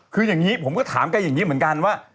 คืออย่างนี้ผมก็ถามแกอย่างนี้เหมือนกันว่า